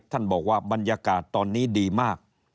ท่านบอกว่าบรรยากาศตอนนี้ดีมาก